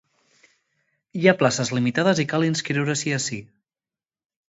Hi ha places limitades i cal inscriure-s’hi ací.